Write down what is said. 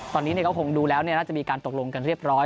ตอนนี้ก็คงดูแล้วน่าจะมีการตกลงกันเรียบร้อย